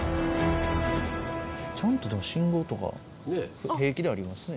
ちゃんとでも信号とか平気でありますね。